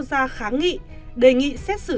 ra kháng nghị đề nghị xét xử